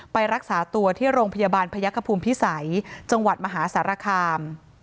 ไปรักษาตัวที่โรงพยาบาลพยักษภูมิพิสัยจังหวัดมหาสารคาม